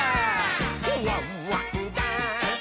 「ワンワンダンス！」